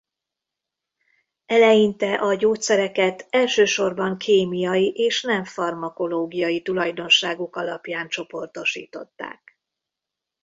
Eleinte a gyógyszereket elsősorban kémiai és nem farmakológiai tulajdonságuk alapján csoportosították.